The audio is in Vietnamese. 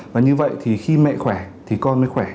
và như vậy thì khi mẹ khỏe thì con mới khỏe